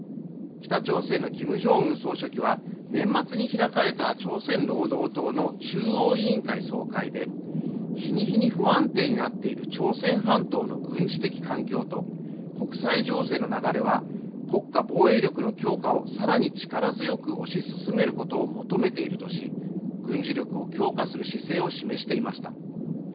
北朝鮮の金正恩総書記は年末に開かれた朝鮮労働党の中央委員会総会で日に日に不安定になっている朝鮮半島の軍事的環境と国際情勢の流れは国家防衛力の強化をさらに力強く推し進めることを求めているとし軍事力を強化する姿勢を示していました